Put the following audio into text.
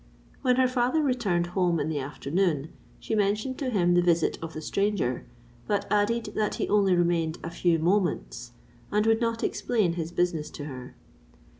When her father returned home in the afternoon, she mentioned to him the visit of the stranger; but added that he only remained a few moments, and would not explain his business to her.